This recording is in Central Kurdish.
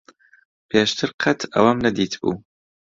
پێشتر قەت ئەوەم نەدیتبوو.